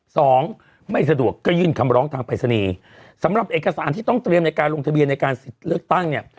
สองไม่สะดวกก็ยื่นคำร้องทางปริศนีย์สำหรับเอกสารที่ต้องเตรียมในการลงทะเบียนในการสิทธิ์เลือกตั้งเนี่ย